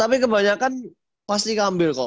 tapi kebanyakan pasti ngambil kok